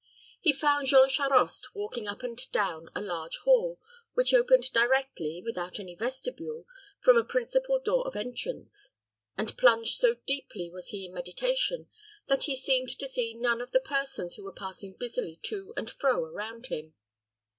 He found Jean Charost walking up and down a large hall, which opened directly, without any vestibule, from the principal door of entrance, and plunged so deeply was he in meditation, that he seemed to see none of the persons who were passing busily to and fro around him.